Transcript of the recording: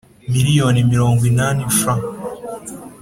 Miliyoni mirongo inani frw